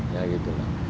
ya gitu lah